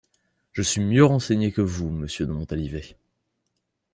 Je suis mieux renseignée que vous, Monsieur de Montalivet!